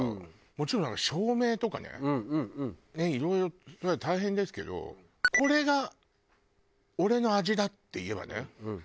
もちろん照明とかねいろいろ大変ですけど「これが俺の味だ！」って言えばね